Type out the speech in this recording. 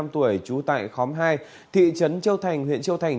trú tại khóm hai thị trấn châu thành huyện châu thành